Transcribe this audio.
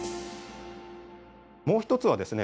もう一つはですね